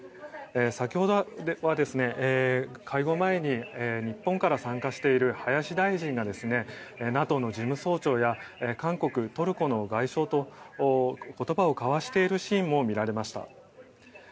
先ほどは、会合前に日本から参加している林大臣がＮＡＴＯの事務総長や韓国、トルコの外相と言葉を交わしているシーンも見られました。